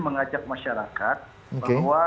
mengajak masyarakat bahwa